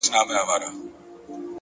پوهه د انسان ځواک زیاتوي؛